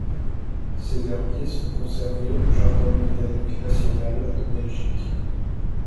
Ses herbiers sont conservés au Jardin botanique national de Belgique.